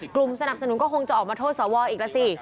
กลุ่มสนับสนุนก็คงจะออกมาโทษสวอีกแล้วสิ